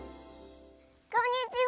こんにちは！